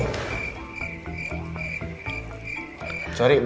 saya udah nunggu